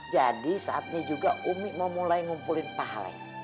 jadi saat ini juga umi mau mulai ngumpulin paling